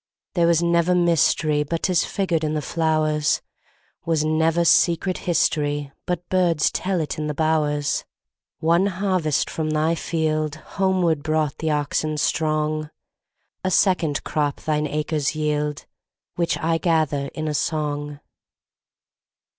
There was never mysteryBut 'tis figured in the flowers; SWas never secret historyBut birds tell it in the bowers. One harvest from thy fieldHomeward brought the oxen strong;A second crop thine acres yield, Which I gather in a song.